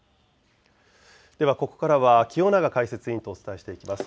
ではここからは清永解説委員とお伝えしていきます。